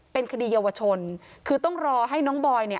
เป็นคดีเยาวชนคือต้องรอให้น้องบอยเนี่ย